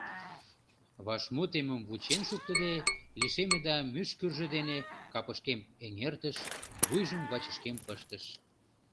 Вашмутемым вучен шуктыде, лишеме да мӱшкыржӧ дене капышкем эҥертыш, вуйжым вачышкем пыштыш.